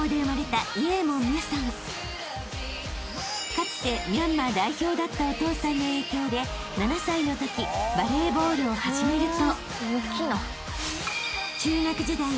［かつてミャンマー代表だったお父さんの影響で７歳のときバレーボールを始めると］